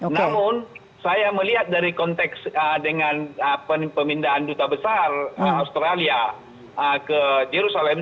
namun saya melihat dari konteks dengan pemindahan duta besar australia ke yerusalem